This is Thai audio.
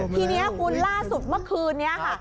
ทีนี้ล่าุสุดเมื่อกลุ่นนี้ค่ะ